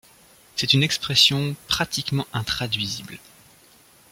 C'est une expression pratiquement intraduisible.